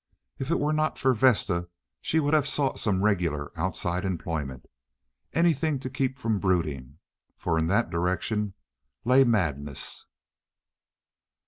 If it were not for Vesta she would have sought some regular outside employment. Anything to keep from brooding, for in that direction lay madness.